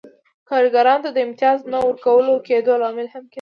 کارګرانو ته د امتیاز د نه ورکول کېدو لامل هم کېده.